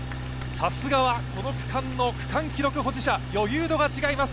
さすがはこの区間の区間記録保持者、余裕度が違います。